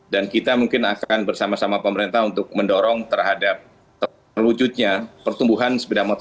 dan kita mungkin akan bersama sama pemerintah untuk mendorong terhadap terwujudnya pertumbuhan sepeda pemerintah